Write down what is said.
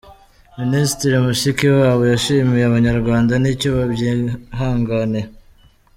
Minisitiri Mushikiwabo yashimiye Abanyarwanda icyo babyihanganiye.